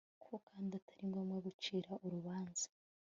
ko kandi atari ngombwa gucira urubanza